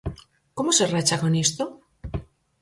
Como se racha con isto?